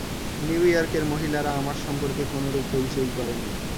New ইয়র্কের মহিলারা আমার সম্পর্কে কোনরূপ হইচই করেননি।